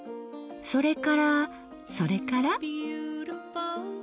それからそれから？